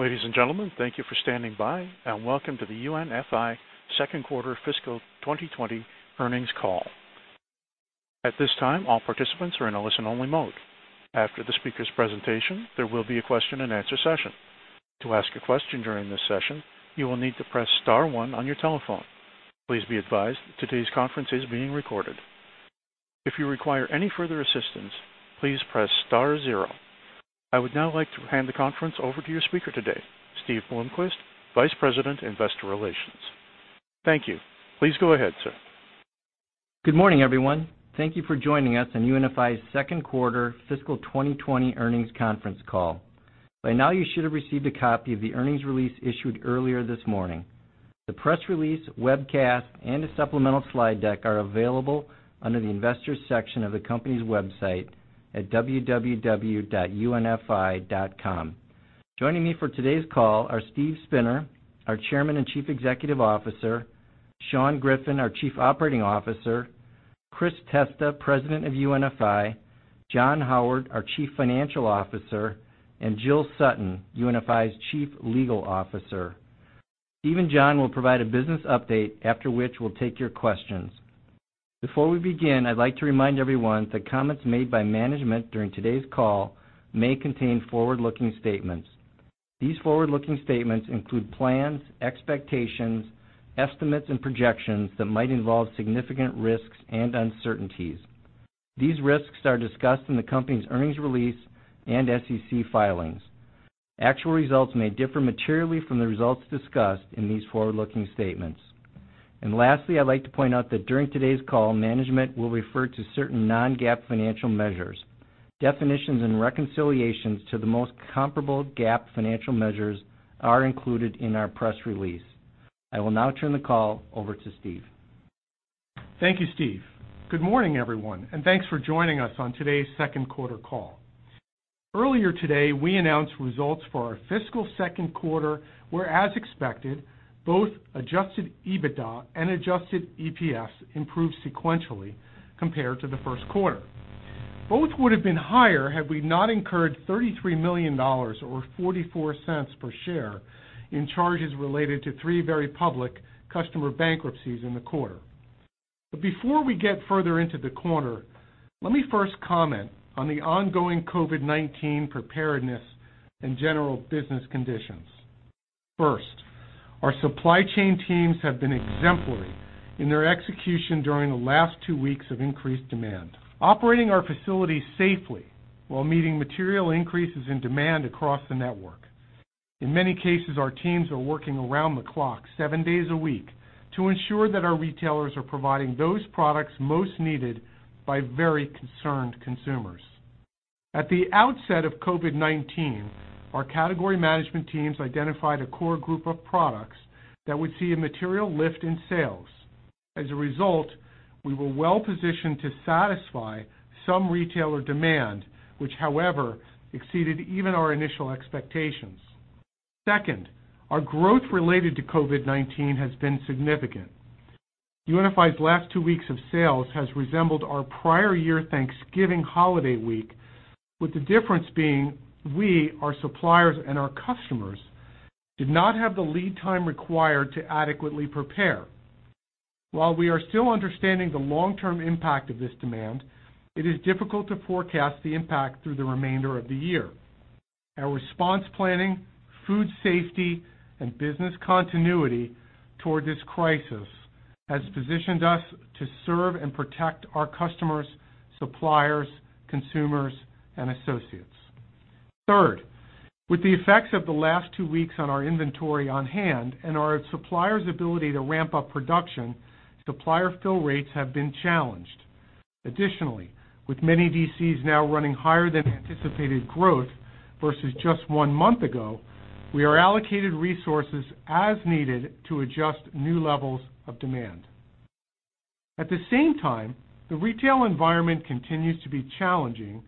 Ladies and gentlemen, thank you for standing by, and welcome to the UNFI Second Quarter Fiscal 2020 earnings call. At this time, all participants are in a listen-only mode. After the speaker's presentation, there will be a question-and-answer session. To ask a question during this session, you will need to press star one on your telephone. Please be advised that today's conference is being recorded. If you require any further assistance, please press star zero. I would now like to hand the conference over to your speaker today, Steve Bloomquist, Vice President, Investor Relations. Thank you. Please go ahead, sir. Good morning, everyone. Thank you for joining us on UNFI's Second Quarter Fiscal 2020 earnings conference call. By now, you should have received a copy of the earnings release issued earlier this morning. The press release, webcast, and a supplemental slide deck are available under the investors' section of the company's website at www.unfi.com. Joining me for today's call are Steve Spinner, our Chairman and Chief Executive Officer; Sean Griffin, our Chief Operating Officer; Chris Testa, President of UNFI; John Howard, our Chief Financial Officer; and Jill Sutton, UNFI's Chief Legal Officer. Steve and John will provide a business update, after which we'll take your questions. Before we begin, I'd like to remind everyone that comments made by management during today's call may contain forward-looking statements. These forward-looking statements include plans, expectations, estimates, and projections that might involve significant risks and uncertainties. These risks are discussed in the company's earnings release and SEC filings. Actual results may differ materially from the results discussed in these forward-looking statements. Lastly, I'd like to point out that during today's call, management will refer to certain non-GAAP financial measures. Definitions and reconciliations to the most comparable GAAP financial measures are included in our press release. I will now turn the call over to Steve. Thank you, Steve. Good morning, everyone, and thanks for joining us on today's second quarter call. Earlier today, we announced results for our fiscal second quarter, where, as expected, both adjusted EBITDA and adjusted EPS improved sequentially compared to the first quarter. Both would have been higher had we not incurred $33 million or $0.44 per share in charges related to three very public customer bankruptcies in the quarter. Before we get further into the quarter, let me first comment on the ongoing COVID-19 preparedness and general business conditions. First, our supply chain teams have been exemplary in their execution during the last two weeks of increased demand, operating our facilities safely while meeting material increases in demand across the network. In many cases, our teams are working around the clock, seven days a week, to ensure that our retailers are providing those products most needed by very concerned consumers. At the outset of COVID-19, our category management teams identified a core group of products that would see a material lift in sales. As a result, we were well positioned to satisfy some retailer demand, which, however, exceeded even our initial expectations. Second, our growth related to COVID-19 has been significant. UNFI's last two weeks of sales have resembled our prior year Thanksgiving holiday week, with the difference being we, our suppliers, and our customers did not have the lead time required to adequately prepare. While we are still understanding the long-term impact of this demand, it is difficult to forecast the impact through the remainder of the year. Our response planning, food safety, and business continuity toward this crisis has positioned us to serve and protect our customers, suppliers, consumers, and associates. Third, with the effects of the last two weeks on our inventory on hand and our suppliers' ability to ramp up production, supplier fill rates have been challenged. Additionally, with many DCs now running higher than anticipated growth versus just one month ago, we are allocating resources as needed to adjust new levels of demand. At the same time, the retail environment continues to be challenging,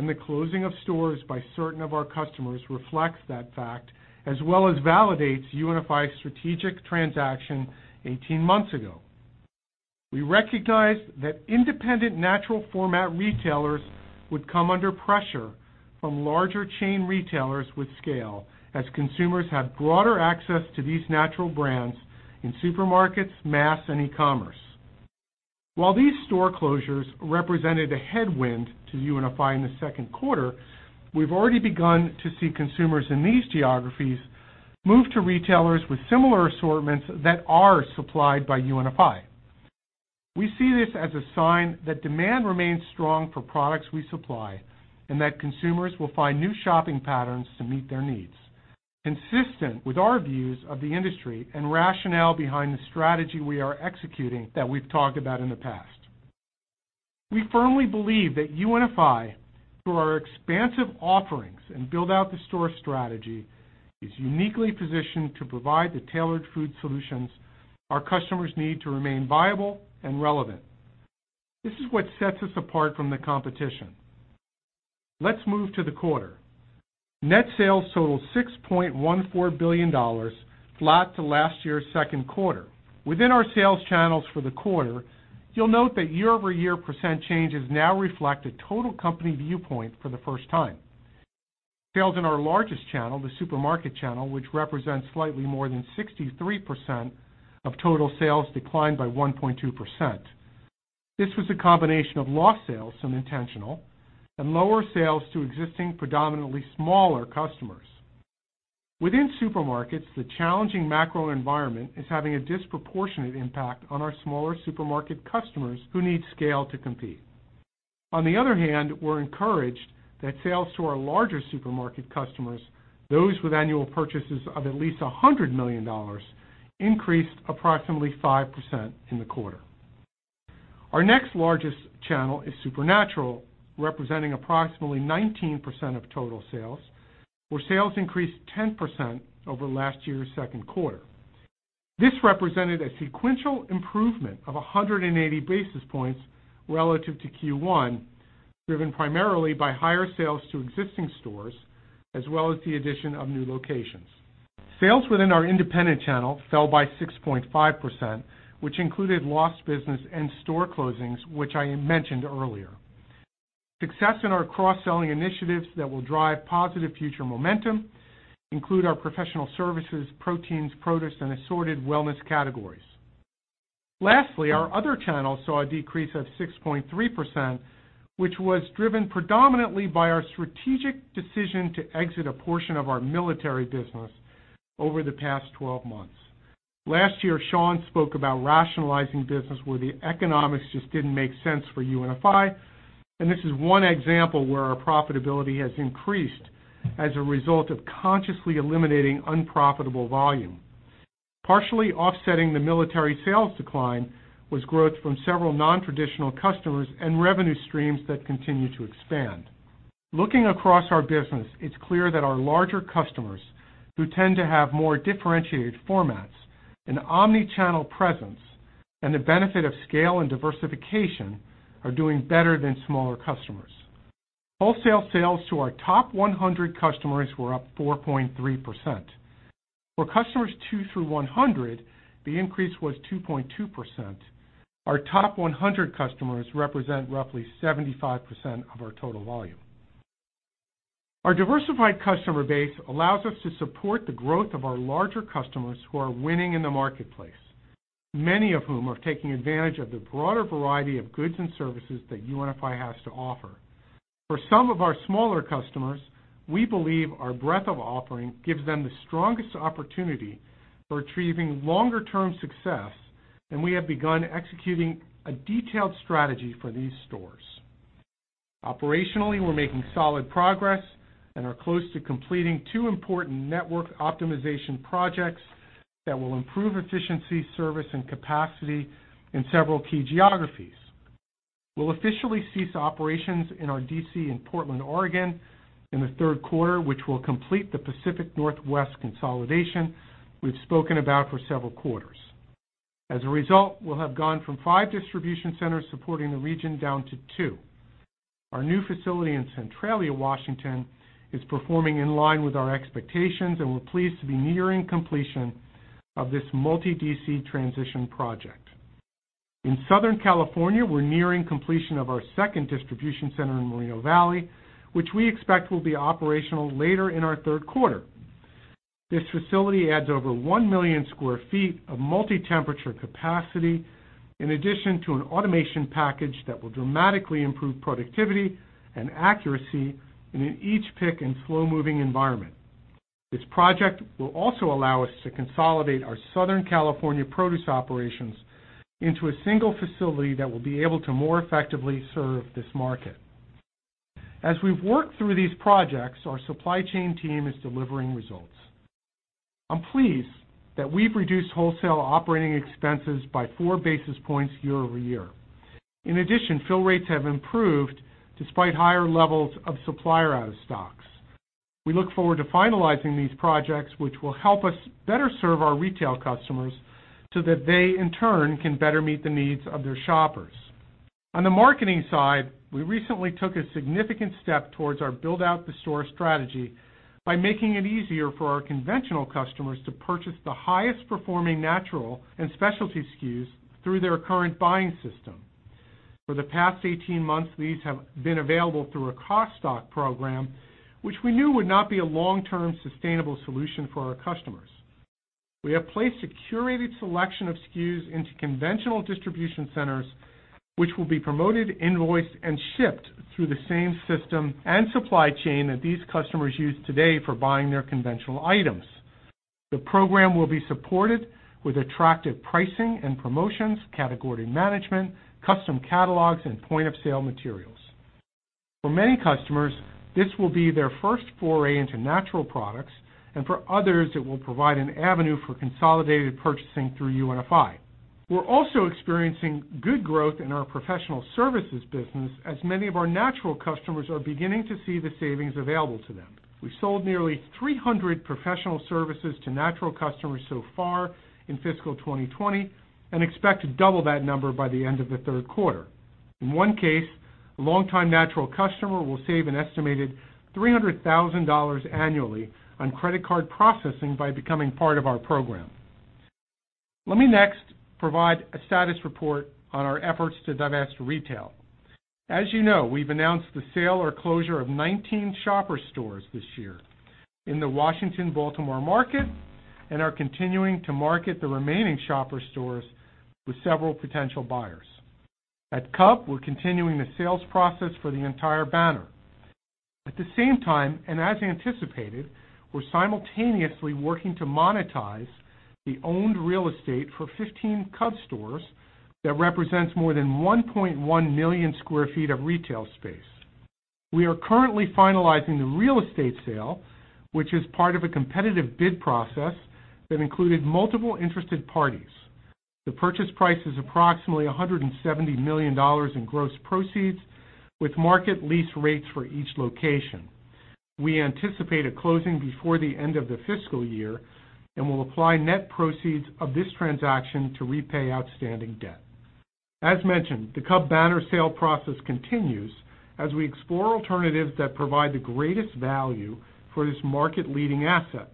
and the closing of stores by certain of our customers reflects that fact, as well as validates UNFI's strategic transaction 18 months ago. We recognize that independent natural format retailers would come under pressure from larger chain retailers with scale, as consumers have broader access to these natural brands in supermarkets, mass, and e-commerce. While these store closures represented a headwind to UNFI in the second quarter, we've already begun to see consumers in these geographies move to retailers with similar assortments that are supplied by UNFI. We see this as a sign that demand remains strong for products we supply and that consumers will find new shopping patterns to meet their needs, consistent with our views of the industry and rationale behind the strategy we are executing that we've talked about in the past. We firmly believe that UNFI, through our expansive offerings and Build out the Store strategy, is uniquely positioned to provide the tailored food solutions our customers need to remain viable and relevant. This is what sets us apart from the competition. Let's move to the quarter. Net sales totaled $6.14 billion, flat to last year's second quarter. Within our sales channels for the quarter, you'll note that year-over-year % changes now reflect a total company viewpoint for the first time. Sales in our largest channel, the Supermarket channel, which represents slightly more than 63% of total sales, declined by 1.2%. This was a combination of lost sales, some intentional, and lower sales to existing predominantly smaller customers. Within Supermarkets, the challenging macro environment is having a disproportionate impact on our smaller Supermarket customers who need scale to compete. On the other hand, we're encouraged that sales to our larger Supermarket customers, those with annual purchases of at least $100 million, increased approximately 5% in the quarter. Our next largest channel is Supernatural, representing approximately 19% of total sales, where sales increased 10% over last year's second quarter. This represented a sequential improvement of 180 basis points relative to Q1, driven primarily by higher sales to existing stores as well as the addition of new locations. Sales within our Independent channel fell by 6.5%, which included lost business and store closings, which I mentioned earlier. Success in our cross-selling initiatives that will drive positive future momentum include our professional services, proteins, produce, and assorted wellness categories. Lastly, our Other channel saw a decrease of 6.3%, which was driven predominantly by our strategic decision to exit a portion of our military business over the past 12 months. Last year, Sean spoke about rationalizing business where the economics just did not make sense for UNFI, and this is one example where our profitability has increased as a result of consciously eliminating unprofitable volume. Partially offsetting the military sales decline was growth from several non-traditional customers and revenue streams that continue to expand. Looking across our business, it's clear that our larger customers, who tend to have more differentiated formats, an omnichannel presence, and the benefit of scale and diversification, are doing better than smaller customers. Wholesale sales to our top 100 customers were up 4.3%. For customers 2 through 100, the increase was 2.2%. Our top 100 customers represent roughly 75% of our total volume. Our diversified customer base allows us to support the growth of our larger customers who are winning in the marketplace, many of whom are taking advantage of the broader variety of goods and services that UNFI has to offer. For some of our smaller customers, we believe our breadth of offering gives them the strongest opportunity for achieving longer-term success, and we have begun executing a detailed strategy for these stores. Operationally, we're making solid progress and are close to completing two important network optimization projects that will improve efficiency, service, and capacity in several key geographies. We'll officially cease operations in our DC in Portland, Oregon, in the third quarter, which will complete the Pacific Northwest consolidation we've spoken about for several quarters. As a result, we'll have gone from five distribution centers supporting the region down to two. Our new facility in Centralia, Washington, is performing in line with our expectations, and we're pleased to be nearing completion of this multi-DC transition project. In Southern California, we're nearing completion of our second distribution center in Moreno Valley, which we expect will be operational later in our third quarter. This facility adds over 1 million sq ft of multi-temperature capacity, in addition to an automation package that will dramatically improve productivity and accuracy in an each pick and slow-moving environment. This project will also allow us to consolidate our Southern California produce operations into a single facility that will be able to more effectively serve this market. As we've worked through these projects, our supply chain team is delivering results. I'm pleased that we've reduced wholesale operating expenses by 4 basis points year over year. In addition, fill rates have improved despite higher levels of supplier out-of-stocks. We look forward to finalizing these projects, which will help us better serve our retail customers so that they, in turn, can better meet the needs of their shoppers. On the marketing side, we recently took a significant step towards our Build out the Store strategy by making it easier for our conventional customers to purchase the highest-performing natural and specialty SKUs through their current buying system. For the past 18 months, these have been available through a cost-stock program, which we knew would not be a long-term sustainable solution for our customers. We have placed a curated selection of SKUs into conventional distribution centers, which will be promoted, invoiced, and shipped through the same system and supply chain that these customers use today for buying their conventional items. The program will be supported with attractive pricing and promotions, category management, custom catalogs, and point-of-sale materials. For many customers, this will be their first foray into natural products, and for others, it will provide an avenue for consolidated purchasing through UNFI. We're also experiencing good growth in our Professional Services business, as many of our natural customers are beginning to see the savings available to them. We've sold nearly 300 Professional Services to natural customers so far in fiscal 2020 and expect to double that number by the end of the third quarter. In one case, a longtime natural customer will save an estimated $300,000 annually on credit card processing by becoming part of our program. Let me next provide a status report on our efforts to divest retail. As you know, we've announced the sale or closure of 19 Shoppers stores this year in the Washington-Baltimore market and are continuing to market the remaining Shoppers stores with several potential buyers. At Cub, we're continuing the sales process for the entire banner. At the same time, and as anticipated, we're simultaneously working to monetize the owned real estate for 15 Cub stores that represents more than 1.1 million sq ft of retail space. We are currently finalizing the real estate sale, which is part of a competitive bid process that included multiple interested parties. The purchase price is approximately $170 million in gross proceeds, with market lease rates for each location. We anticipate a closing before the end of the fiscal year and will apply net proceeds of this transaction to repay outstanding debt. As mentioned, the Cub banner sale process continues as we explore alternatives that provide the greatest value for this market-leading asset,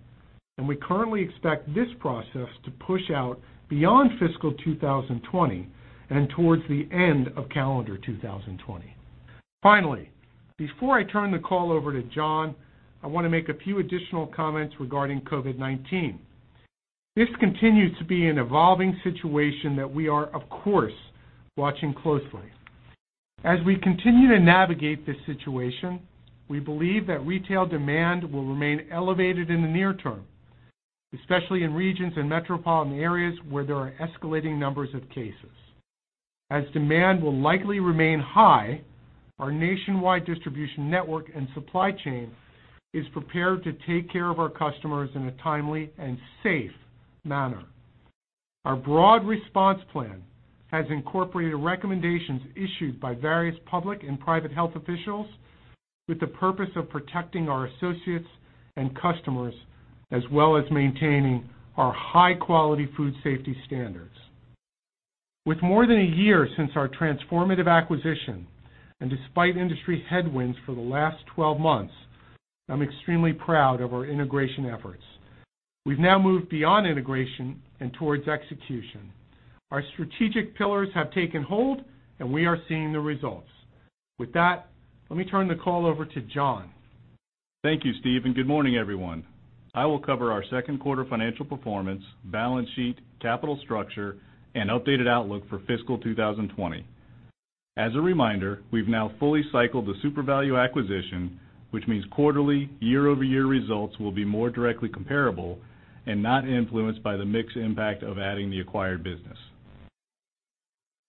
and we currently expect this process to push out beyond fiscal 2020 and towards the end of calendar 2020. Finally, before I turn the call over to John, I want to make a few additional comments regarding COVID-19. This continues to be an evolving situation that we are, of course, watching closely. As we continue to navigate this situation, we believe that retail demand will remain elevated in the near term, especially in regions and metropolitan areas where there are escalating numbers of cases. As demand will likely remain high, our nationwide distribution network and supply chain is prepared to take care of our customers in a timely and safe manner. Our broad response plan has incorporated recommendations issued by various public and private health officials with the purpose of protecting our associates and customers, as well as maintaining our high-quality food safety standards. With more than a year since our transformative acquisition and despite industry headwinds for the last 12 months, I'm extremely proud of our integration efforts. We've now moved beyond integration and towards execution. Our strategic pillars have taken hold, and we are seeing the results. With that, let me turn the call over to John. Thank you, Steve, and good morning, everyone. I will cover our second quarter financial performance, balance sheet, capital structure, and updated outlook for fiscal 2020. As a reminder, we've now fully cycled the SuperValu acquisition, which means quarterly, year-over-year results will be more directly comparable and not influenced by the mixed impact of adding the acquired business.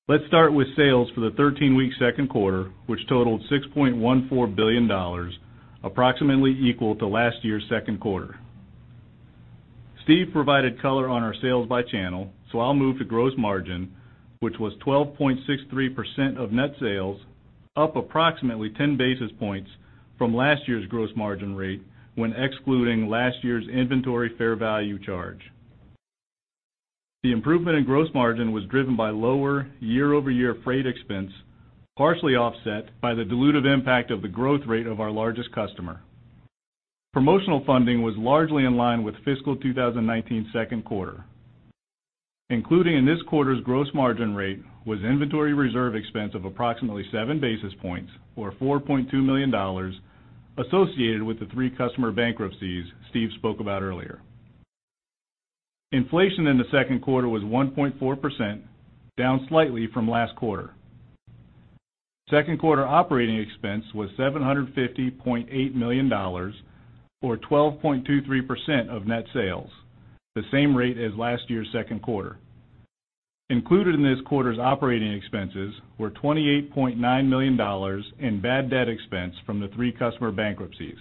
Let's start with sales for the 13-week second quarter, which totaled $6.14 billion, approximately equal to last year's second quarter. Steve provided color on our sales by channel, so I'll move to gross margin, which was 12.63% of net sales, up approximately 10 basis points from last year's gross margin rate when excluding last year's inventory fair value charge. The improvement in gross margin was driven by lower year-over-year freight expense, partially offset by the dilutive impact of the growth rate of our largest customer. Promotional funding was largely in line with fiscal 2019 second quarter. Included in this quarter's gross margin rate was inventory reserve expense of approximately 7 basis points, or $4.2 million, associated with the three customer bankruptcies Steve spoke about earlier. Inflation in the second quarter was 1.4%, down slightly from last quarter. Second quarter operating expense was $750.8 million, or 12.23% of net sales, the same rate as last year's second quarter. Included in this quarter's operating expenses were $28.9 million in bad debt expense from the three customer bankruptcies,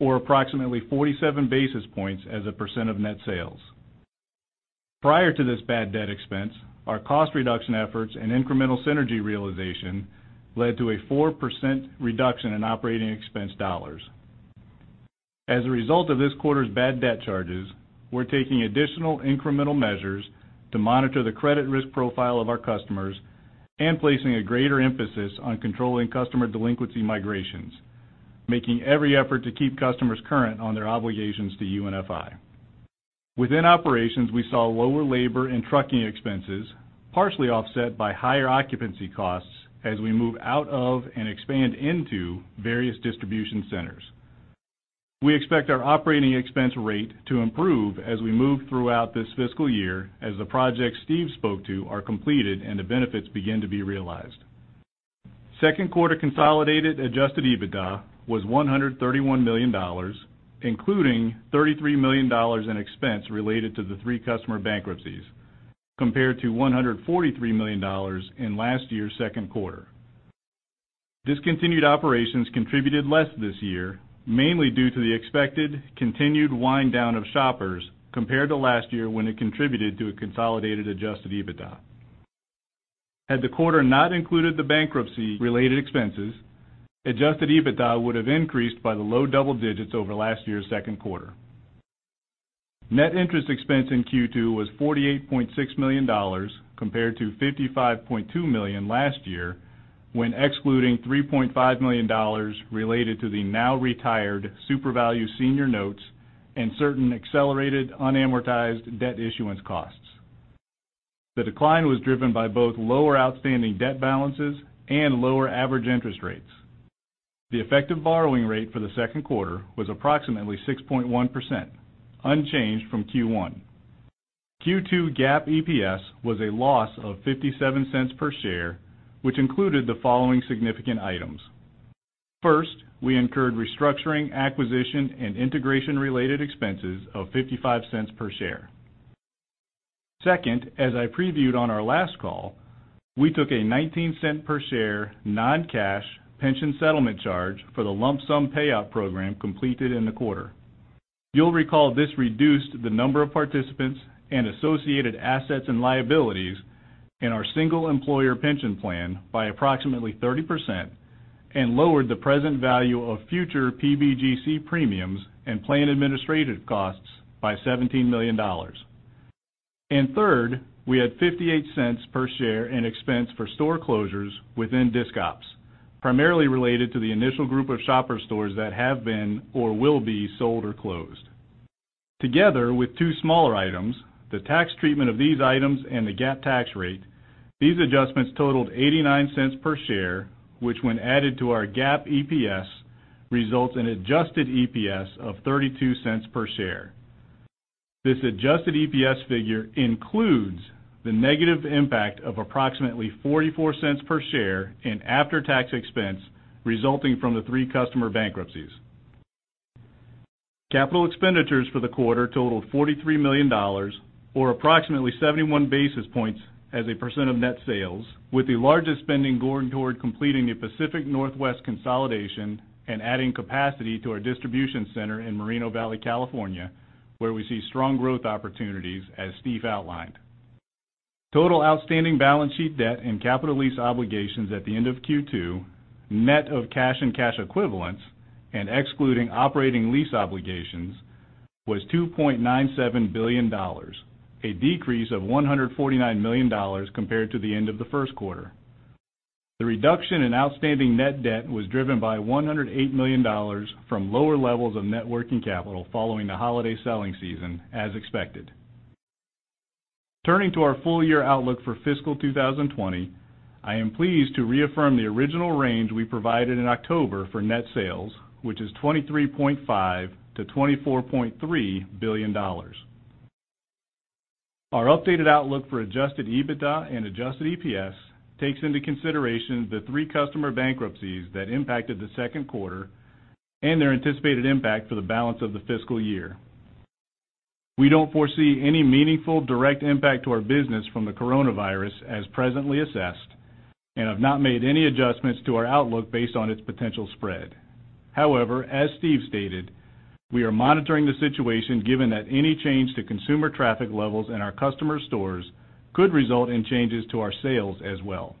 or approximately 47 basis points as a percent of net sales. Prior to this bad debt expense, our cost reduction efforts and incremental synergy realization led to a 4% reduction in operating expense dollars. As a result of this quarter's bad debt charges, we're taking additional incremental measures to monitor the credit risk profile of our customers and placing a greater emphasis on controlling customer delinquency migrations, making every effort to keep customers current on their obligations to UNFI. Within operations, we saw lower labor and trucking expenses, partially offset by higher occupancy costs as we move out of and expand into various distribution centers. We expect our operating expense rate to improve as we move throughout this fiscal year as the projects Steve spoke to are completed and the benefits begin to be realized. Second quarter consolidated adjusted EBITDA was $131 million, including $33 million in expense related to the three customer bankruptcies, compared to $143 million in last year's second quarter. Discontinued operations contributed less this year, mainly due to the expected continued wind down of Shoppers compared to last year when it contributed to a consolidated adjusted EBITDA. Had the quarter not included the bankruptcy-related expenses, adjusted EBITDA would have increased by the low double digits over last year's second quarter. Net interest expense in Q2 was $48.6 million, compared to $55.2 million last year when excluding $3.5 million related to the now-retired SuperValu senior notes and certain accelerated unamortized debt issuance costs. The decline was driven by both lower outstanding debt balances and lower average interest rates. The effective borrowing rate for the second quarter was approximately 6.1%, unchanged from Q1. Q2 GAAP EPS was a loss of $0.57 per share, which included the following significant items. First, we incurred restructuring, acquisition, and integration-related expenses of $0.55 per share. Second, as I previewed on our last call, we took a $0.19 per share non-cash pension settlement charge for the lump sum payout program completed in the quarter. You'll recall this reduced the number of participants and associated assets and liabilities in our single employer pension plan by approximately 30% and lowered the present value of future PBGC premiums and planned administrative costs by $17 million. Third, we had $0.58 per share in expense for store closures within disc ops, primarily related to the initial group of Shoppers stores that have been or will be sold or closed. Together with two smaller items, the tax treatment of these items and the GAAP tax rate, these adjustments totaled $0.89 per share, which when added to our GAAP EPS results in an adjusted EPS of $0.32 per share. This adjusted EPS figure includes the negative impact of approximately $0.44 per share in after-tax expense resulting from the three customer bankruptcies. Capital expenditures for the quarter totaled $43 million, or approximately 71 basis points as a percent of net sales, with the largest spending going toward completing the Pacific Northwest consolidation and adding capacity to our distribution center in Moreno Valley, California, where we see strong growth opportunities, as Steve outlined. Total outstanding balance sheet debt and capital lease obligations at the end of Q2, net of cash and cash equivalents, and excluding operating lease obligations was $2.97 billion, a decrease of $149 million compared to the end of the first quarter. The reduction in outstanding net debt was driven by $108 million from lower levels of net working capital following the holiday selling season, as expected. Turning to our full year outlook for fiscal 2020, I am pleased to reaffirm the original range we provided in October for net sales, which is $23.5 billion-$24.3 billion. Our updated outlook for adjusted EBITDA and adjusted EPS takes into consideration the three customer bankruptcies that impacted the second quarter and their anticipated impact for the balance of the fiscal year. We don't foresee any meaningful direct impact to our business from the coronavirus, as presently assessed, and have not made any adjustments to our outlook based on its potential spread. However, as Steve stated, we are monitoring the situation given that any change to consumer traffic levels in our customer stores could result in changes to our sales as well.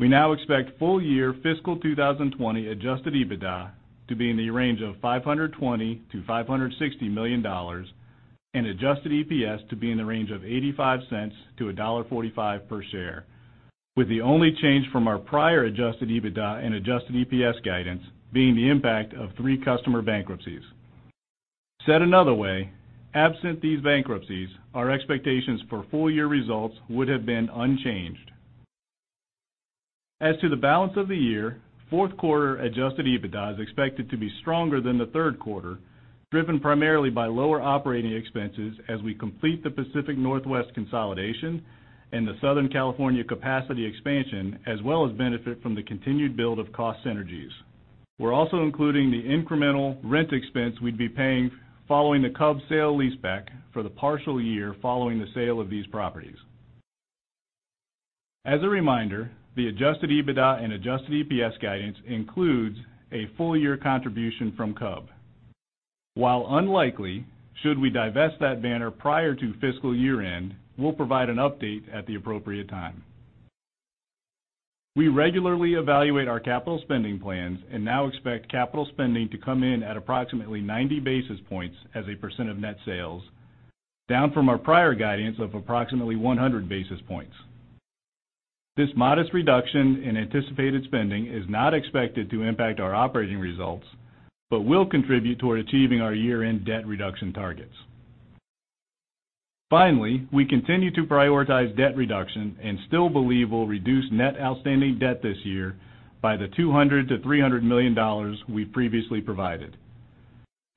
We now expect full year fiscal 2020 adjusted EBITDA to be in the range of $520-$560 million and adjusted EPS to be in the range of $0.85-$1.45 per share, with the only change from our prior adjusted EBITDA and adjusted EPS guidance being the impact of three customer bankruptcies. Said another way, absent these bankruptcies, our expectations for full year results would have been unchanged. As to the balance of the year, fourth quarter adjusted EBITDA is expected to be stronger than the third quarter, driven primarily by lower operating expenses as we complete the Pacific Northwest consolidation and the Southern California capacity expansion, as well as benefit from the continued build of cost synergies. We're also including the incremental rent expense we'd be paying following the Cub sale leaseback for the partial year following the sale of these properties. As a reminder, the adjusted EBITDA and adjusted EPS guidance includes a full year contribution from Cub. While unlikely, should we divest that banner prior to fiscal year end, we'll provide an update at the appropriate time. We regularly evaluate our capital spending plans and now expect capital spending to come in at approximately 90 basis points as a percent of net sales, down from our prior guidance of approximately 100 basis points. This modest reduction in anticipated spending is not expected to impact our operating results, but will contribute toward achieving our year-end debt reduction targets. Finally, we continue to prioritize debt reduction and still believe we'll reduce net outstanding debt this year by the $200-$300 million we previously provided.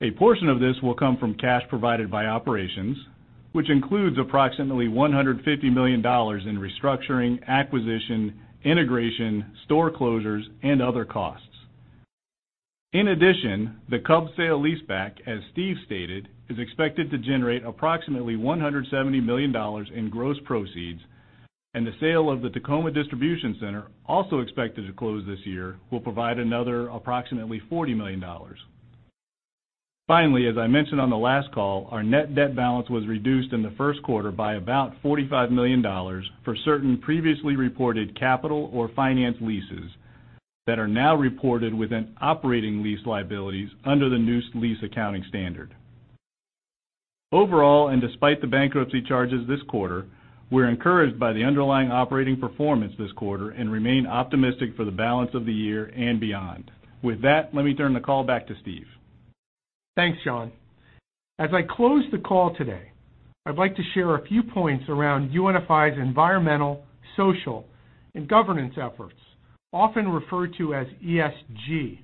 A portion of this will come from cash provided by operations, which includes approximately $150 million in restructuring, acquisition, integration, store closures, and other costs. In addition, the Cub sale leaseback, as Steve stated, is expected to generate approximately $170 million in gross proceeds, and the sale of the Tacoma Distribution Center, also expected to close this year, will provide another approximately $40 million. Finally, as I mentioned on the last call, our net debt balance was reduced in the first quarter by about $45 million for certain previously reported capital or finance leases that are now reported within operating lease liabilities under the new lease accounting standard. Overall, and despite the bankruptcy charges this quarter, we're encouraged by the underlying operating performance this quarter and remain optimistic for the balance of the year and beyond. With that, let me turn the call back to Steve. Thanks, John. As I close the call today, I'd like to share a few points around UNFI's environmental, social, and governance efforts, often referred to as ESG,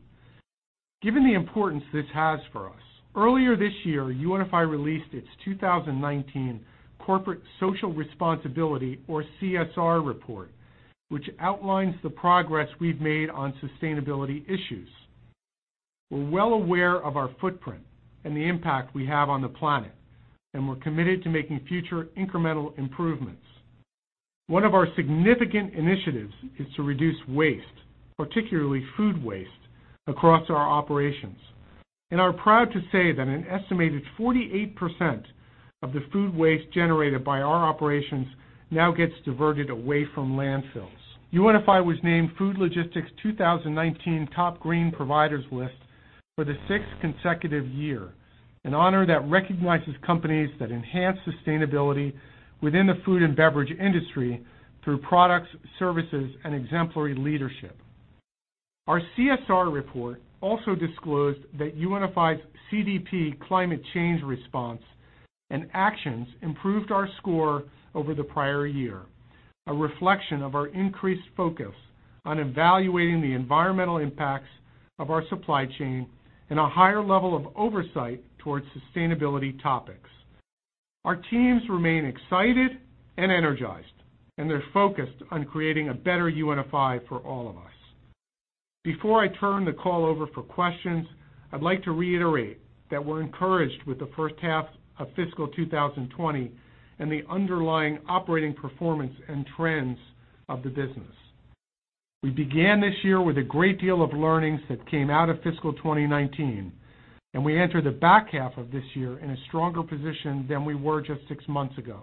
given the importance this has for us. Earlier this year, UNFI released its 2019 Corporate Social Responsibility, or CSR, report, which outlines the progress we've made on sustainability issues. We're well aware of our footprint and the impact we have on the planet, and we're committed to making future incremental improvements. One of our significant initiatives is to reduce waste, particularly food waste, across our operations. I'm proud to say that an estimated 48% of the food waste generated by our operations now gets diverted away from landfills. UNFI was named Food Logistics 2019 Top Green Providers List for the sixth consecutive year, an honor that recognizes companies that enhance sustainability within the food and beverage industry through products, services, and exemplary leadership. Our CSR report also disclosed that UNFI's CDP climate change response and actions improved our score over the prior year, a reflection of our increased focus on evaluating the environmental impacts of our supply chain and a higher level of oversight towards sustainability topics. Our teams remain excited and energized, and they're focused on creating a better UNFI for all of us. Before I turn the call over for questions, I'd like to reiterate that we're encouraged with the first half of fiscal 2020 and the underlying operating performance and trends of the business. We began this year with a great deal of learnings that came out of fiscal 2019, and we enter the back half of this year in a stronger position than we were just six months ago.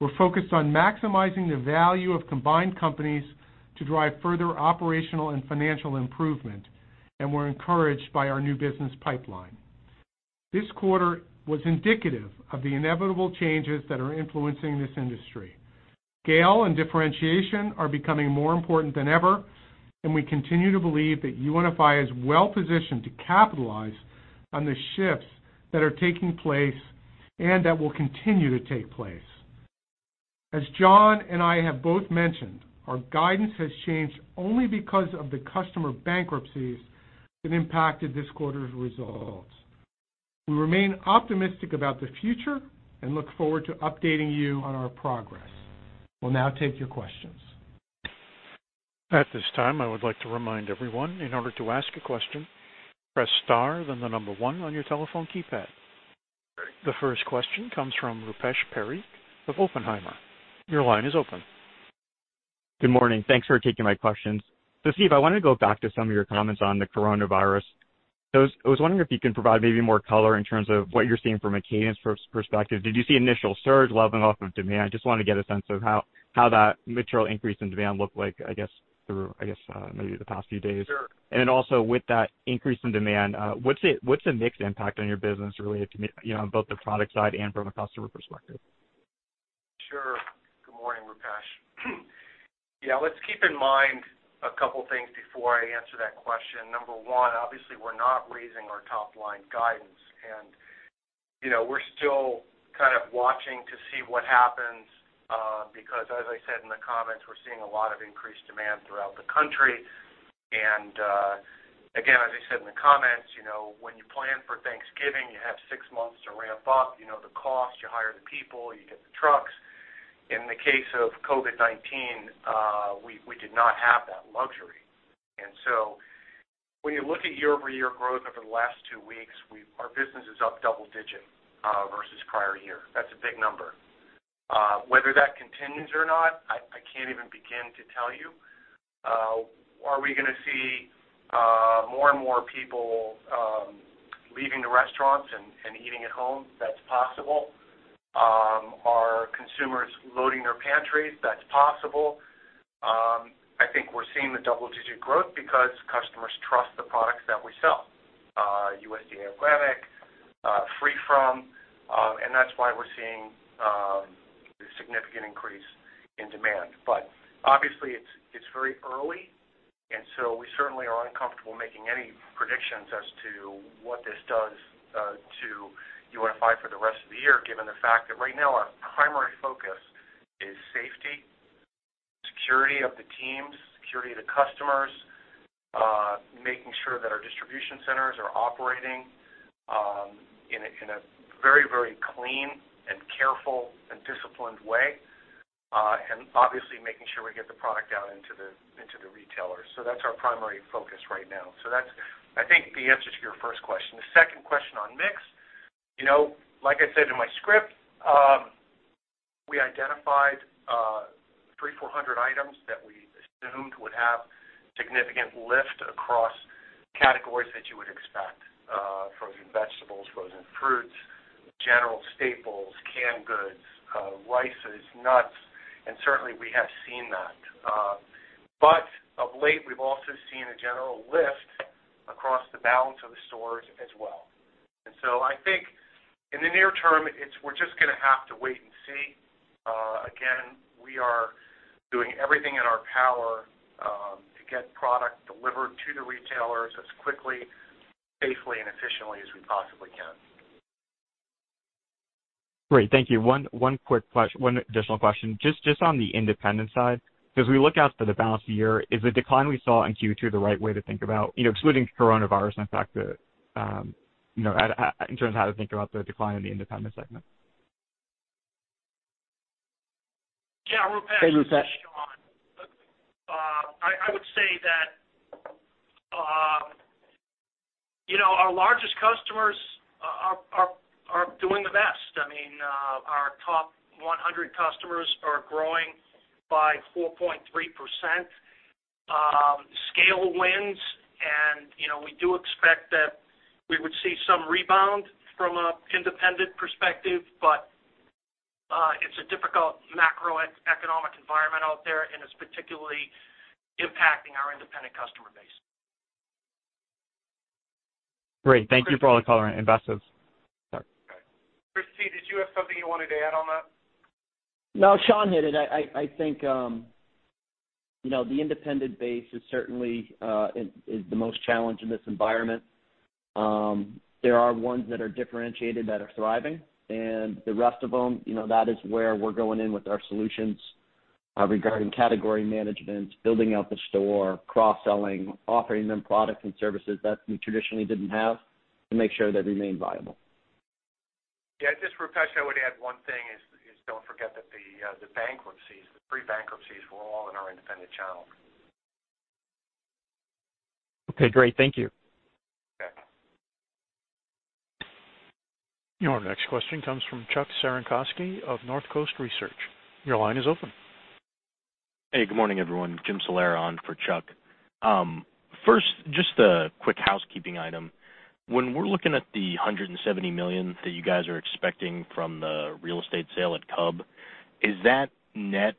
We're focused on maximizing the value of combined companies to drive further operational and financial improvement, and we're encouraged by our new business pipeline. This quarter was indicative of the inevitable changes that are influencing this industry. Scale and differentiation are becoming more important than ever, and we continue to believe that UNFI is well positioned to capitalize on the shifts that are taking place and that will continue to take place. As John and I have both mentioned, our guidance has changed only because of the customer bankruptcies that impacted this quarter's results. We remain optimistic about the future and look forward to updating you on our progress. We'll now take your questions. At this time, I would like to remind everyone in order to ask a question, press star, then the number one on your telephone keypad. The first question comes from Rupesh Parikh of Oppenheimer. Your line is open. Good morning. Thanks for taking my questions. Steve, I wanted to go back to some of your comments on the coronavirus. I was wondering if you could provide maybe more color in terms of what you're seeing from a cadence perspective. Did you see initial surge leveling off of demand? Just wanted to get a sense of how that material increase in demand looked like, I guess, through, I guess, maybe the past few days. Also, with that increase in demand, what's the mixed impact on your business related to both the product side and from a customer perspective? Sure. Good morning, Rupesh. Yeah, let's keep in mind a couple of things before I answer that question. Number one, obviously, we're not raising our top line guidance, and we're still kind of watching to see what happens because, as I said in the comments, we're seeing a lot of increased demand throughout the country. As I said in the comments, when you plan for Thanksgiving, you have six months to ramp up the cost, you hire the people, you get the trucks. In the case of COVID-19, we did not have that luxury. When you look at year-over-year growth over the last two weeks, our business is up double-digit versus prior year. That's a big number. Whether that continues or not, I can't even begin to tell you. Are we going to see more and more people leaving the restaurants and eating at home? That's possible. Are consumers loading their pantries? That's possible. I think we're seeing the double-digit growth because customers trust the products that we sell: USDA Organic, free from, and that's why we're seeing the significant increase in demand. Obviously, it's very early, and we certainly are uncomfortable making any predictions as to what this does to UNFI for the rest of the year, given the fact that right now our primary focus is safety, security of the teams, security of the customers, making sure that our distribution centers are operating in a very, very clean and careful and disciplined way, and obviously making sure we get the product out into the retailers. That's our primary focus right now. That's, I think, the answer to your first question. The second question on mix, like I said in my script, we identified 300, 400 items that we assumed would have significant lift across categories that you would expect: frozen vegetables, frozen fruits, general staples, canned goods, rice, nuts, and certainly we have seen that. Of late, we've also seen a general lift across the balance of the stores as well. I think in the near term, we're just going to have to wait and see. Again, we are doing everything in our power to get product delivered to the retailers as quickly, safely, and efficiently as we possibly can. Great. Thank you. One quick question, one additional question. Just on the Independent side, as we look out for the balance of the year, is the decline we saw in Q2 the right way to think about, excluding coronavirus and the fact that in terms of how to think about the decline in the Independent segment? Hey, Rupesh. Yeah, Rupesh. This is Sean. I would say that our largest customers are doing the best. I mean, our top 100 customers are growing by 4.3%. Scale wins, and we do expect that we would see some rebound from an Independent perspective, but it's a difficult macroeconomic environment out there, and it's particularly impacting our Independent customer base. Great. Thank you for all the color and investments. Okay. Chris, Steve, did you have something you wanted to add on that? No, Sean hit it. I think the Independent base is certainly the most challenged in this environment. There are ones that are differentiated that are thriving, and the rest of them, that is where we're going in with our solutions regarding category management, building out the store, cross-selling, offering them products and services that we traditionally didn't have to make sure they remain viable. Yeah. Just Rupesh, I would add one thing is don't forget that the bankruptcies, the pre-bankruptcies were all in our Independent channel. Okay. Great. Thank you. Okay. Our next question comes from Chuck Cerankosky of Northcoast Research. Your line is open. Hey, good morning, everyone. Jim Salera on for Chuck. First, just a quick housekeeping item. When we're looking at the $170 million that you guys are expecting from the real estate sale at Cub, is that net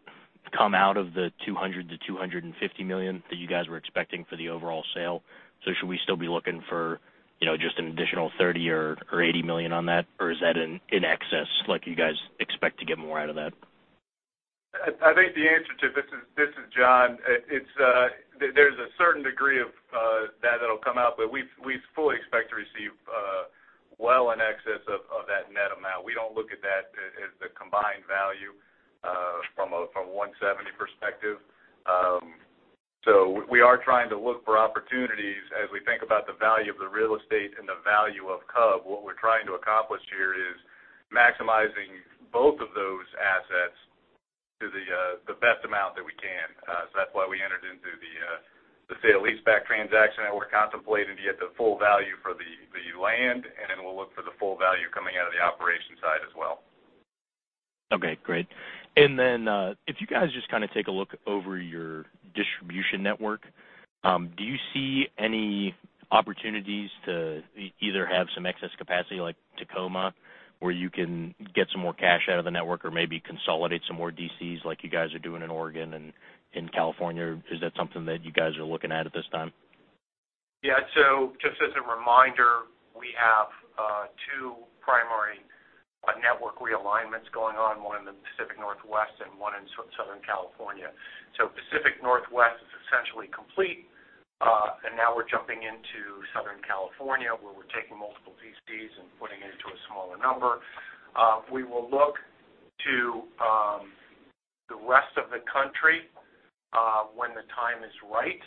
come out of the $200-$250 million that you guys were expecting for the overall sale? Should we still be looking for just an additional $30 million or $80 million on that, or is that in excess? Like you guys expect to get more out of that? I think the answer to, this is, John, there's a certain degree of that that'll come out, but we fully expect to receive well in excess of that net amount. We don't look at that as the combined value from a $170 million perspective. We are trying to look for opportunities as we think about the value of the real estate and the value of Cub. What we're trying to accomplish here is maximizing both of those assets to the best amount that we can. That's why we entered into the sale leaseback transaction that we're contemplating to get the full value for the land, and then we'll look for the full value coming out of the operation side as well. Okay. Great. If you guys just kind of take a look over your distribution network, do you see any opportunities to either have some excess capacity like Tacoma where you can get some more cash out of the network or maybe consolidate some more DCs like you guys are doing in Oregon and in California? Is that something that you guys are looking at at this time? Yeah. Just as a reminder, we have two primary network realignments going on, one in the Pacific Northwest and one in Southern California. Pacific Northwest is essentially complete, and now we're jumping into Southern California where we're taking multiple DCs and putting it into a smaller number. We will look to the rest of the country when the time is right,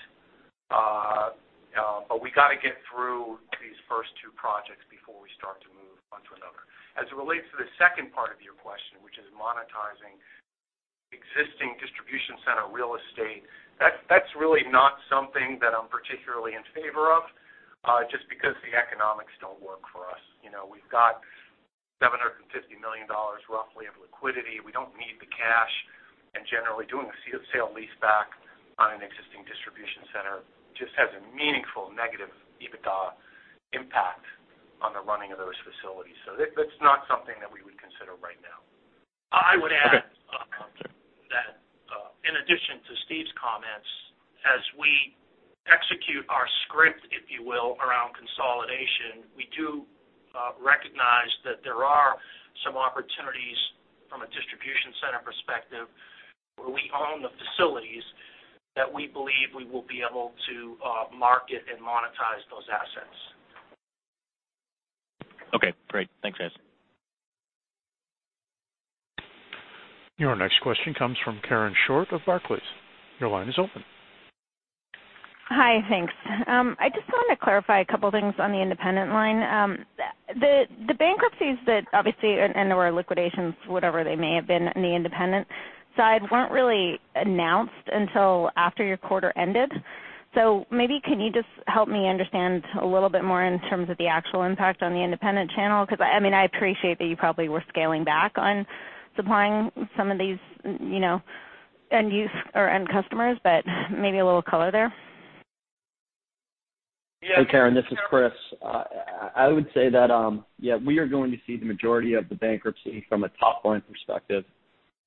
but we got to get through these first two projects before we start to move on to another. As it relates to the second part of your question, which is monetizing existing distribution center real estate, that's really not something that I'm particularly in favor of just because the economics don't work for us. We've got $750 million roughly of liquidity. We don't need the cash, and generally doing a sale leaseback on an existing distribution center just has a meaningful negative impact on the running of those facilities. That's not something that we would consider right now. I would add that in addition to Steve's comments, as we execute our script, if you will, around consolidation, we do recognize that there are some opportunities from a distribution center perspective where we own the facilities that we believe we will be able to market and monetize those assets. Okay. Great. Thanks, guys. Your next question comes from Karen Short of Barclays. Your line is open. Hi. Thanks. I just want to clarify a couple of things on the Independent line. The bankruptcies that obviously and/or liquidations, whatever they may have been on the Independent side, were not really announced until after your quarter ended. Maybe can you just help me understand a little bit more in terms of the actual impact on the Independent channel? Because I mean, I appreciate that you probably were scaling back on supplying some of these end customers, but maybe a little color there. Yeah. Hey, Karen. This is Chris. I would say that, yeah, we are going to see the majority of the bankruptcy from a top line perspective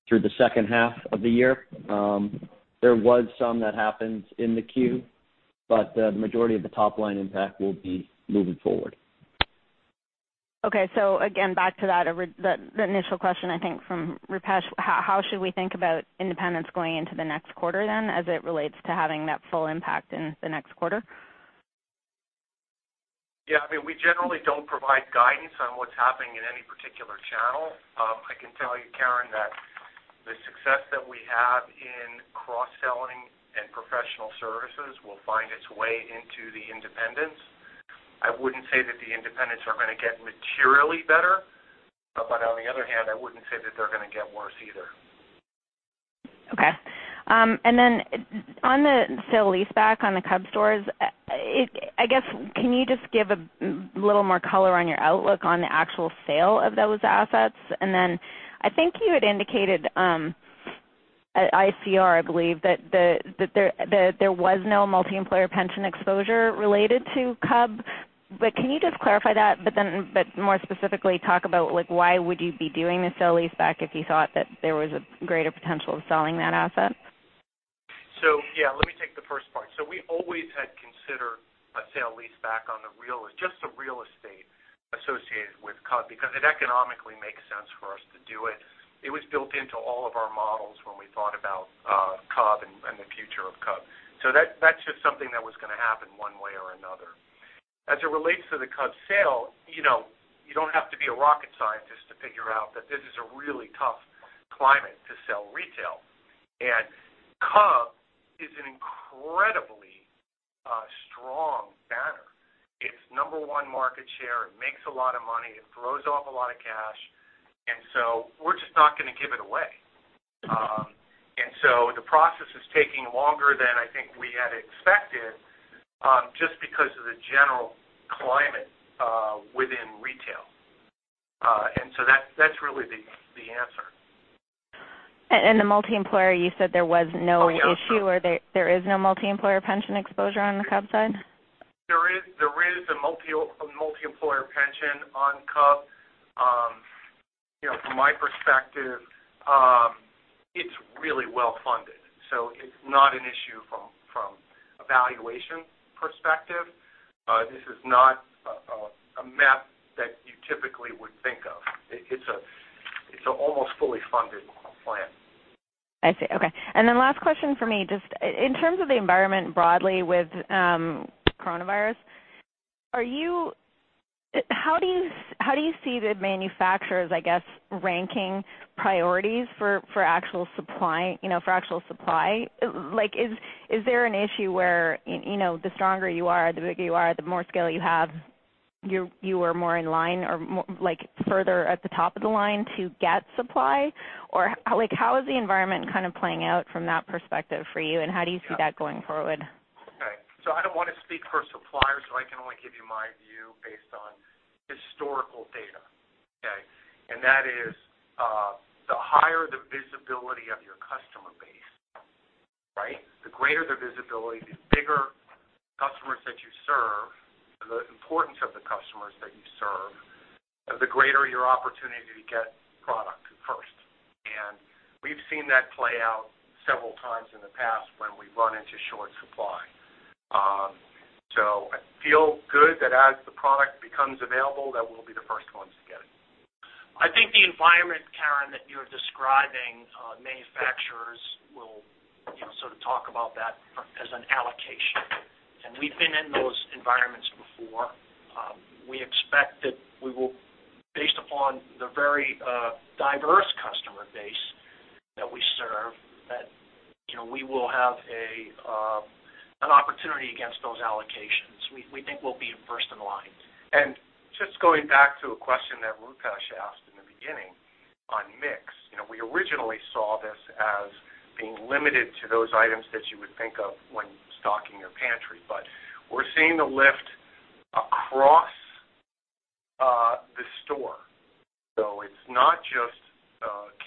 through the second half of the year. There was some that happened in the queue, but the majority of the top line impact will be moving forward. Okay. Again, back to that initial question, I think from Rupesh, how should we think about independence going into the next quarter then as it relates to having that full impact in the next quarter? Yeah. I mean, we generally do not provide guidance on what is happening in any particular channel. I can tell you, Karen, that the success that we have in cross-selling and professional services will find its way into the independence. I would not say that the independents are going to get materially better, but on the other hand, I would not say that they are going to get worse either. Okay. Then on the sale leaseback on the Cub stores, I guess can you just give a little more color on your outlook on the actual sale of those assets? I think you had indicated at ICR, I believe, that there was no multi-employer pension exposure related to Cub. Can you just clarify that, but more specifically talk about why you would be doing the sale leaseback if you thought that there was a greater potential of selling that asset? Let me take the first part. We always had considered a sale leaseback on just the real estate associated with Cub because it economically makes sense for us to do it. It was built into all of our models when we thought about Cub and the future of Cub. That's just something that was going to happen one way or another. As it relates to the Cub sale, you don't have to be a rocket scientist to figure out that this is a really tough climate to sell retail. Cub is an incredibly strong banner. It's number one market share. It makes a lot of money. It throws off a lot of cash. We're just not going to give it away. The process is taking longer than I think we had expected just because of the general climate within retail. That's really the answer. The multi-employer, you said there was no issue or there is no multi-employer pension exposure on the Cub side? There is a multi-employer pension on Cub. From my perspective, it's really well funded. It's not an issue from a valuation perspective. This is not a mess that you typically would think of. It's an almost fully funded plan. I see. Okay. Last question for me, just in terms of the environment broadly with coronavirus, how do you see the manufacturers, I guess, ranking priorities for actual supply? Is there an issue where the stronger you are, the bigger you are, the more skill you have, you are more in line or further at the top of the line to get supply? How is the environment kind of playing out from that perspective for you, and how do you see that going forward? Okay. I do not want to speak for suppliers, so I can only give you my view based on historical data. Okay? That is, the higher the visibility of your customer base, right, the greater the visibility, the bigger customers that you serve, the importance of the customers that you serve, the greater your opportunity to get product first. We have seen that play out several times in the past when we have run into short supply. I feel good that as the product becomes available, we will be the first ones to get it. I think the environment, Karen, that you are describing, manufacturers will sort of talk about that as an allocation. We have been in those environments before. We expect that we will, based upon the very diverse customer base that we serve, have an opportunity against those allocations. We think we'll be first in line. Just going back to a question that Rupesh asked in the beginning on mix, we originally saw this as being limited to those items that you would think of when stocking your pantry, but we're seeing a lift across the store. It's not just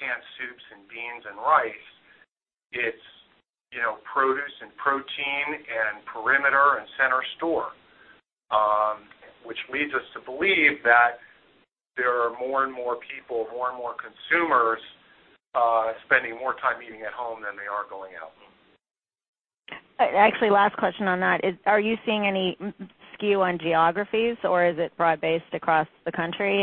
canned soups and beans and rice. It's produce and protein and perimeter and center store, which leads us to believe that there are more and more people, more and more consumers spending more time eating at home than they are going out. Actually, last question on that. Are you seeing any skew on geographies, or is it broad-based across the country?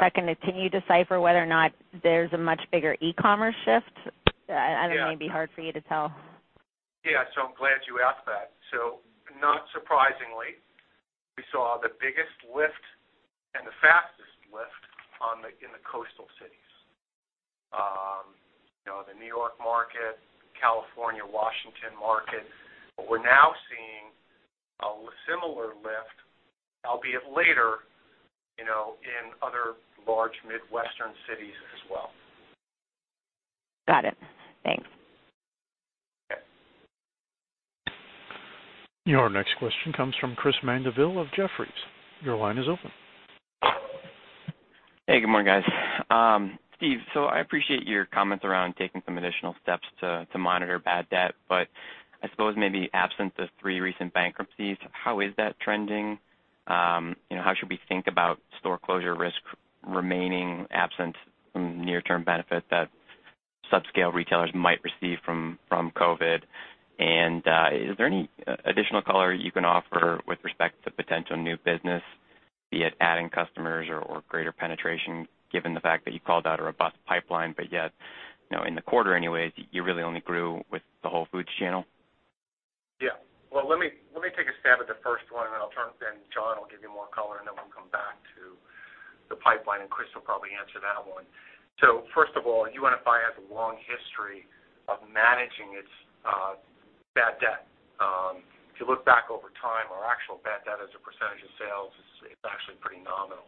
Second, can you decipher whether or not there's a much bigger e-commerce shift? I don't know. It may be hard for you to tell. Yeah. I'm glad you asked that. Not surprisingly, we saw the biggest lift and the fastest lift in the coastal cities, the New York market, California, Washington market. We are now seeing a similar lift, albeit later, in other large Midwestern cities as well. Got it. Thanks. Okay. Your next question comes from Chris Mandeville of Jefferies. Your line is open. Hey, good morning, guys. Steve, I appreciate your comments around taking some additional steps to monitor bad debt, but I suppose maybe absent the three recent bankruptcies, how is that trending? How should we think about store closure risk remaining absent from near-term benefit that subscale retailers might receive from COVID? Is there any additional color you can offer with respect to potential new business, be it adding customers or greater penetration, given the fact that you called out a robust pipeline, but yet in the quarter anyways, you really only grew with the Whole Foods channel? Yeah. Let me take a stab at the first one, and then I'll turn to John. I'll give you more color, and then we'll come back to the pipeline, and Chris will probably answer that one. First of all, UNFI has a long history of managing its bad debt. If you look back over time, our actual bad debt as a percentage of sales, it's actually pretty nominal.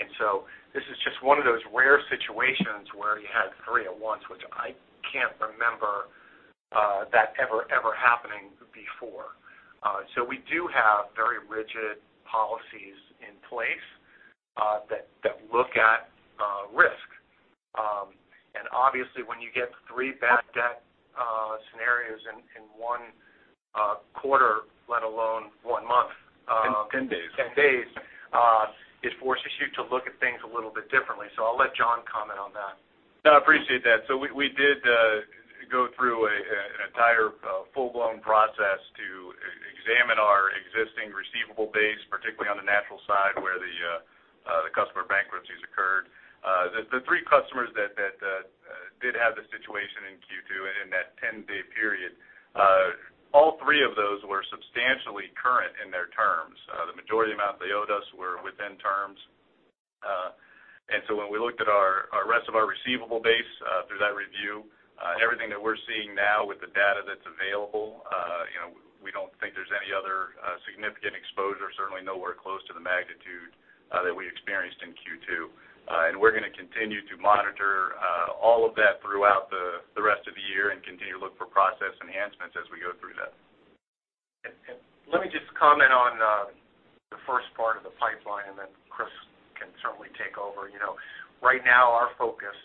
This is just one of those rare situations where you had three at once, which I can't remember that ever, ever happening before. We do have very rigid policies in place that look at risk. Obviously, when you get three bad debt scenarios in one quarter, let alone one month. In 10 days. Ten days, it forces you to look at things a little bit differently. I'll let John comment on that. No, I appreciate that. We did go through an entire full-blown process to examine our existing receivable base, particularly on the natural side where the customer bankruptcies occurred. The three customers that did have the situation in Q2 in that 10-day period, all three of those were substantially current in their terms. The majority amount they owed us were within terms. When we looked at the rest of our receivable base through that review, everything that we're seeing now with the data that's available, we don't think there's any other significant exposure, certainly nowhere close to the magnitude that we experienced in Q2. We're going to continue to monitor all of that throughout the rest of the year and continue to look for process enhancements as we go through that. Let me just comment on the first part of the pipeline, and then Chris can certainly take over. Right now, our focus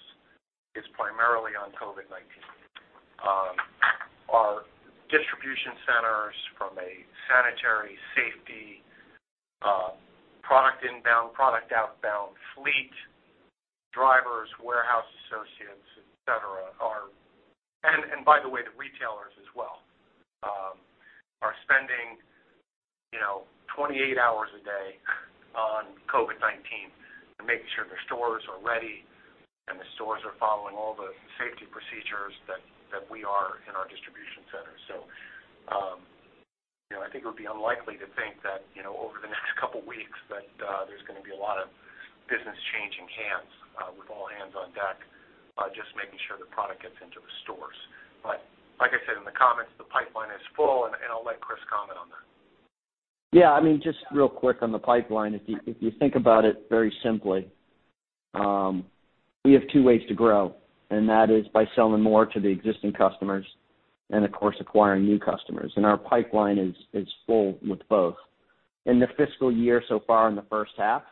is primarily on COVID-19. Our distribution centers from a sanitary safety product inbound, product outbound, fleet, drivers, warehouse associates, etc., and by the way, the retailers as well, are spending 28 hours a day on COVID-19 and making sure their stores are ready and the stores are following all the safety procedures that we are in our distribution centers. I think it would be unlikely to think that over the next couple of weeks that there's going to be a lot of business changing hands with all hands on deck, just making sure the product gets into the stores. Like I said in the comments, the pipeline is full, and I'll let Chris comment on that. Yeah. I mean, just real quick on the pipeline, if you think about it very simply, we have two ways to grow, and that is by selling more to the existing customers and, of course, acquiring new customers. Our pipeline is full with both. In the fiscal year so far in the first half,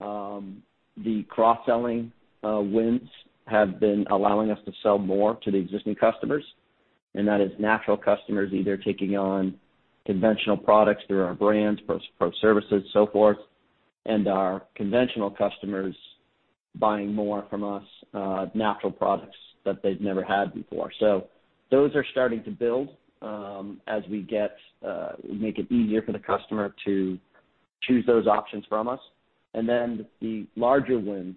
the cross-selling wins have been allowing us to sell more to the existing customers. That is natural customers either taking on conventional products through our brand, Pro Services, so forth, and our conventional customers buying more from us natural products that they've never had before. Those are starting to build as we make it easier for the customer to choose those options from us. The larger wins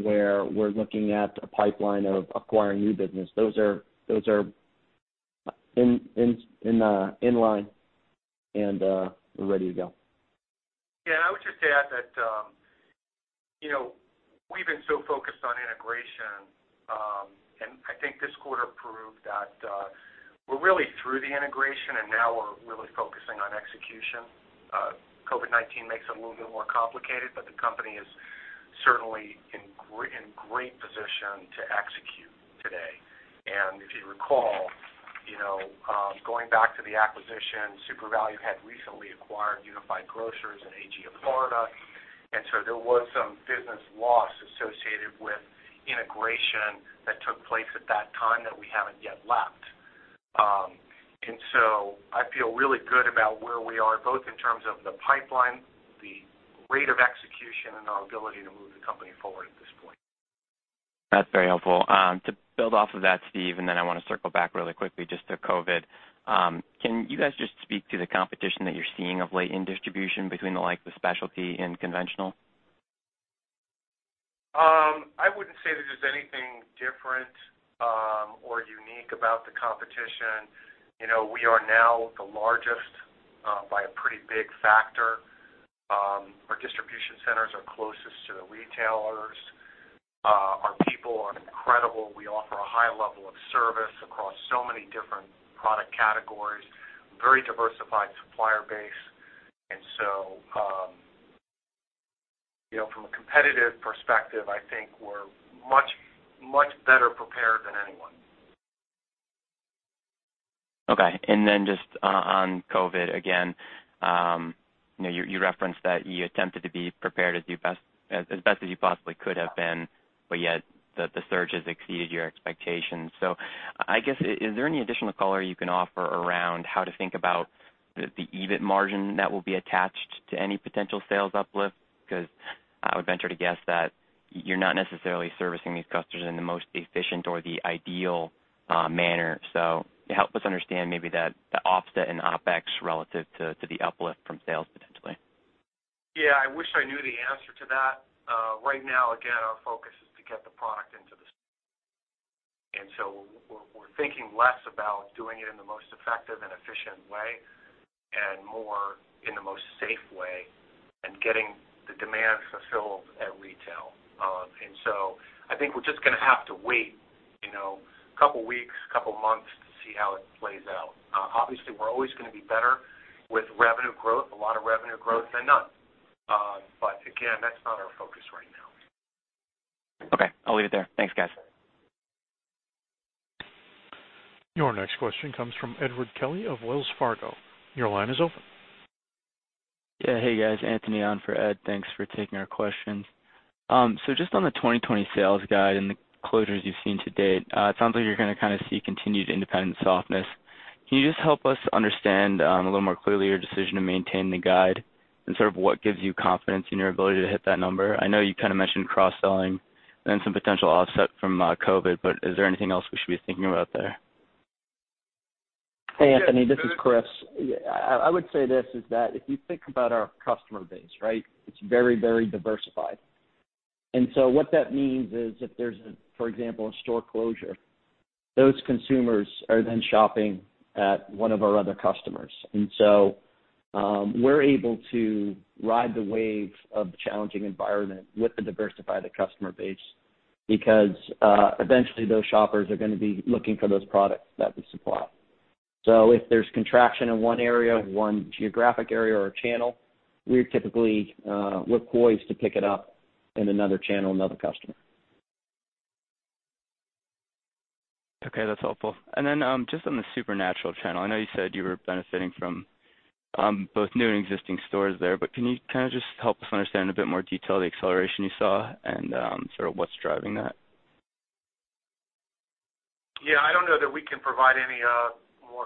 where we're looking at a pipeline of acquiring new business, those are in line and ready to go. Yeah. I would just add that we've been so focused on integration, and I think this quarter proved that we're really through the integration, and now we're really focusing on execution. COVID-19 makes it a little bit more complicated, but the company is certainly in great position to execute today. If you recall, going back to the acquisition, SuperValu had recently acquired Unified Grocers and AG of Florida. There was some business loss associated with integration that took place at that time that we haven't yet left. I feel really good about where we are, both in terms of the pipeline, the rate of execution, and our ability to move the company forward at this point. That's very helpful. To build off of that, Steve, I want to circle back really quickly just to COVID. Can you guys just speak to the competition that you're seeing of late in distribution between the likes of specialty and conventional? I wouldn't say that there's anything different or unique about the competition. We are now the largest by a pretty big factor. Our distribution centers are closest to the retailers. Our people are incredible. We offer a high level of service across so many different product categories, very diversified supplier base. From a competitive perspective, I think we're much better prepared than anyone. Okay. Just on COVID again, you referenced that you attempted to be prepared as best as you possibly could have been, but yet the surge has exceeded your expectations. I guess, is there any additional color you can offer around how to think about the EBIT margin that will be attached to any potential sales uplift? Because I would venture to guess that you're not necessarily servicing these customers in the most efficient or the ideal manner. Help us understand maybe the offset in OpEx relative to the uplift from sales potentially. Yeah. I wish I knew the answer to that. Right now, again, our focus is to get the product into the store. We are thinking less about doing it in the most effective and efficient way and more in the most safe way and getting the demand fulfilled at retail. I think we're just going to have to wait a couple of weeks, a couple of months to see how it plays out. Obviously, we're always going to be better with revenue growth, a lot of revenue growth than none. Again, that's not our focus right now. Okay. I'll leave it there. Thanks, guys. Your next question comes from Edward Kelly of Wells Fargo. Your line is open. Yeah. Hey, guys. Anthony on for Ed. Thanks for taking our questions. Just on the 2020 sales guide and the closures you've seen to date, it sounds like you're going to kind of see continued independent softness. Can you just help us understand a little more clearly your decision to maintain the guide and sort of what gives you confidence in your ability to hit that number? I know you kind of mentioned cross-selling and then some potential offset from COVID, but is there anything else we should be thinking about there? Hey, Anthony. This is Chris. I would say this is that if you think about our customer base, right, it's very, very diversified. What that means is if there's, for example, a store closure, those consumers are then shopping at one of our other customers. We are able to ride the wave of the challenging environment with the diversified customer base because eventually those shoppers are going to be looking for those products that we supply. If there's contraction in one area, one geographic area or a channel, we're typically repoised to pick it up in another channel, another customer. Okay. That's helpful. Just on the Supernatural channel, I know you said you were benefiting from both new and existing stores there, but can you kind of just help us understand in a bit more detail the acceleration you saw and sort of what's driving that? Yeah. I don't know that we can provide any more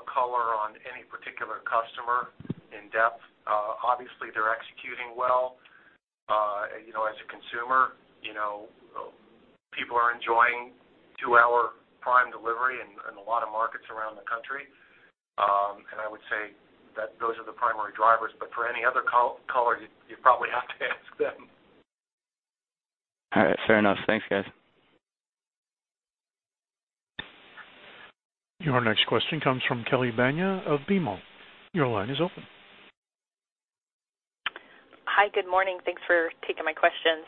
color on any particular customer in depth. Obviously, they're executing well. As a consumer, people are enjoying two-hour prime delivery in a lot of markets around the country. I would say that those are the primary drivers. For any other color, you probably have to ask them. All right. Fair enough. Thanks, guys. Your next question comes from Kelly Bania of BMO. Your line is open. Hi. Good morning. Thanks for taking my questions.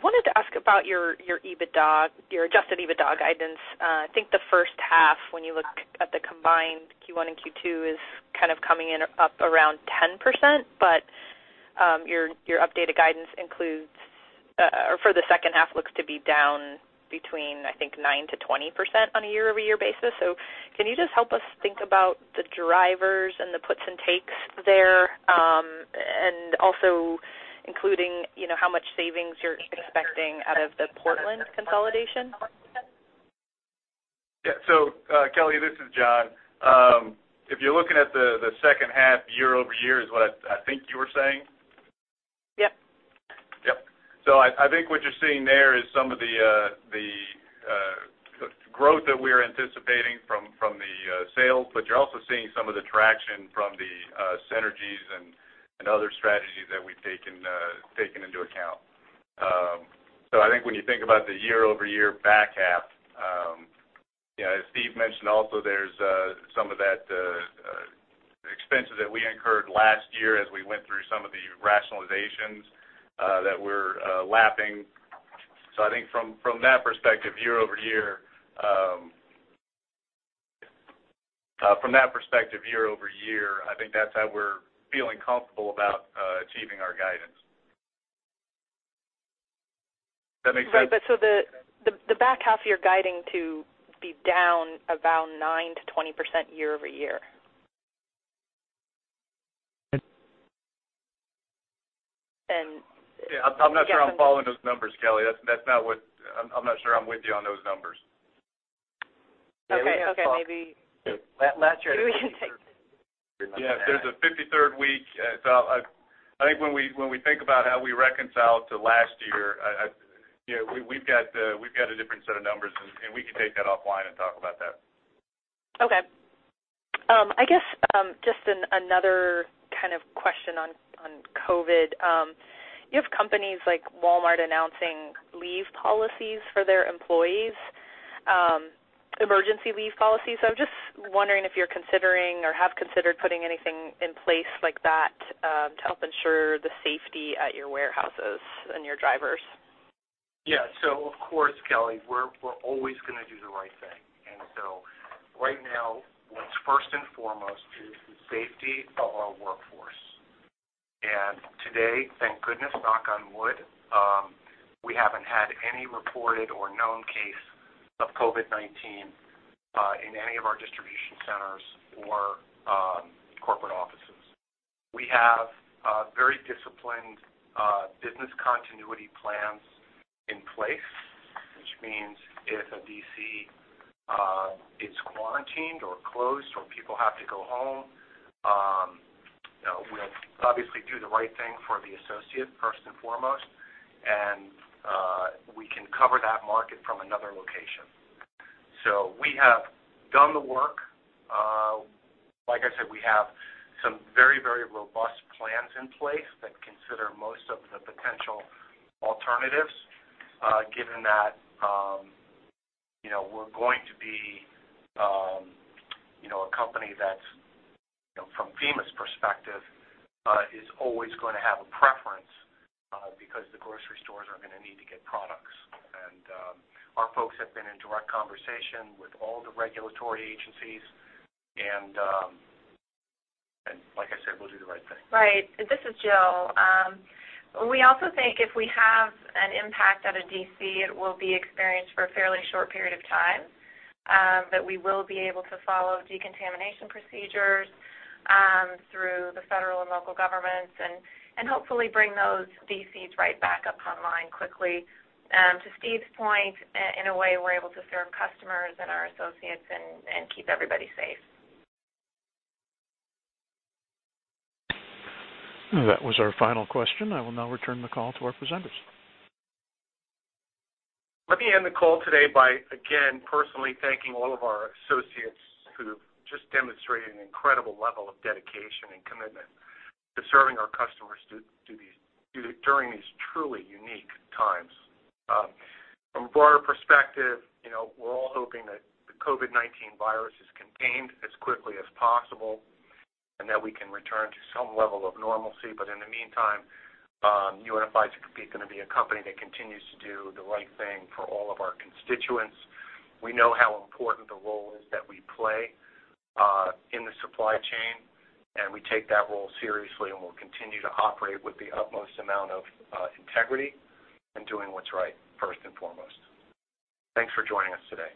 Wanted to ask about your adjusted EBITDA guidance. I think the first half, when you look at the combined Q1 and Q2, is kind of coming up around 10%, but your updated guidance includes or for the second half looks to be down between, I think, 9%-20% on a year-over-year basis. Can you just help us think about the drivers and the puts and takes there and also including how much savings you're expecting out of the Portland consolidation? Yeah. Kelly, this is John. If you're looking at the second half, year-over-year is what I think you were saying? Yep. Yep. I think what you're seeing there is some of the growth that we're anticipating from the sales, but you're also seeing some of the traction from the synergies and other strategies that we've taken into account. I think when you think about the year-over-year back half, as Steve mentioned, also there's some of that expenses that we incurred last year as we went through some of the rationalizations that we're lapping. I think from that perspective, year-over-year, from that perspective, year-over-year, I think that's how we're feeling comfortable about achieving our guidance. Does that make sense? Right. The back half of your guiding to be down about 9%-20% year-over-year. Yeah, I'm not sure I'm following those numbers, Kelly. That's not what I'm not sure I'm with you on those numbers. Okay. Okay. Maybe. Yeah. There's a 53rd week. I think when we think about how we reconcile to last year, we've got a different set of numbers, and we can take that offline and talk about that. Okay. I guess just another kind of question on COVID. You have companies like Walmart announcing leave policies for their employees, emergency leave policies. I'm just wondering if you're considering or have considered putting anything in place like that to help ensure the safety at your warehouses and your drivers. Yeah. Of course, Kelly, we're always going to do the right thing. Right now, what's first and foremost is the safety of our workforce. Today, thank goodness, knock on wood, we haven't had any reported or known case of COVID-19 in any of our distribution centers or corporate offices. We have very disciplined business continuity plans in place, which means if a DC is quarantined or closed or people have to go home, we'll obviously do the right thing for the associate first and foremost, and we can cover that market from another location. We have done the work. Like I said, we have some very, very robust plans in place that consider most of the potential alternatives, given that we're going to be a company that, from FEMA's perspective, is always going to have a preference because the grocery stores are going to need to get products. Our folks have been in direct conversation with all the regulatory agencies. Like I said, we'll do the right thing. Right. This is Jill. We also think if we have an impact at a DC, it will be experienced for a fairly short period of time, but we will be able to follow decontamination procedures through the federal and local governments and hopefully bring those DCs right back up online quickly. To Steve's point, in a way, we're able to serve customers and our associates and keep everybody safe. That was our final question. I will now return the call to our presenters. Let me end the call today by, again, personally thanking all of our associates who have just demonstrated an incredible level of dedication and commitment to serving our customers during these truly unique times. From a broader perspective, we're all hoping that the COVID-19 virus is contained as quickly as possible and that we can return to some level of normalcy. In the meantime, UNFI's going to be a company that continues to do the right thing for all of our constituents. We know how important the role is that we play in the supply chain, and we take that role seriously, and we'll continue to operate with the utmost amount of integrity and doing what's right first and foremost. Thanks for joining us today.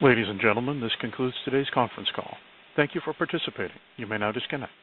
Ladies and gentlemen, this concludes today's conference call. Thank you for participating. You may now disconnect.